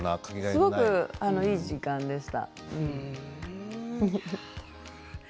すごくいい時間でした。